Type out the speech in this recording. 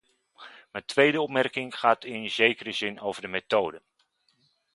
Mijn tweede opmerking gaat in zekere zin over de methode.